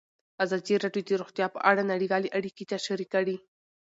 ازادي راډیو د روغتیا په اړه نړیوالې اړیکې تشریح کړي.